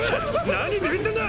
何ビビってんだ！